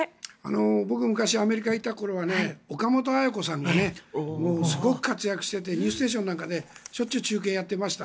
僕がアメリカにいた頃は岡本綾子さんがすごく活躍していて「ニュースステーション」なんかでしょっちゅう中継やってました。